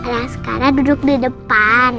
raskara duduk di depan